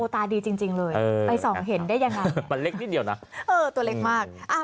ตาดีจริงเลยไปส่องเห็นได้อย่างนั้นน้ำตัวเล็กมากเอ่อ